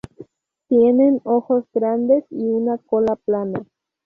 Tienen ojos grandes y una cola plana.